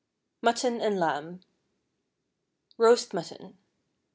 MUTTON AND LAMB. ROAST MUTTON.